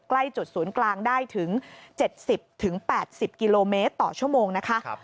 ใกล้จุดศูนย์กลางได้ถึง๗๐๘๐กิโลเมตรต่อชั่วโมงนะคะ